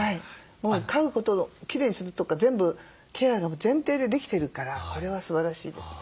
もう飼うことのきれいにするとか全部ケアが前提でできてるからこれはすばらしいですね。